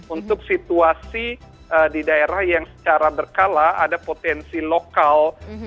untuk situasi di daerah yang secara berkala ada potensi lokal